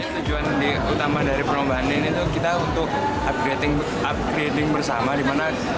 tujuan utama dari perombahan ini itu kita untuk upgrading bersama